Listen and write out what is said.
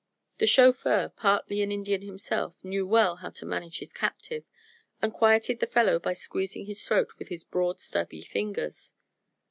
The chauffeur, partly an Indian himself, knew well how to manage his captive and quieted the fellow by squeezing his throat with his broad stubby fingers.